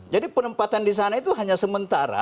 jadi penempatan disana itu hanya sementara